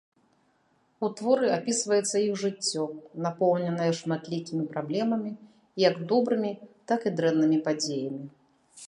У творы апісваецца іх жыццё, напоўненая шматлікімі праблемамі, як добрымі, так і дрэннымі падзеямі.